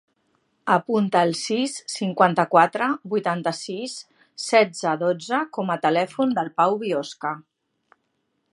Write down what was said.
Apunta el sis, cinquanta-quatre, vuitanta-sis, setze, dotze com a telèfon del Pau Biosca.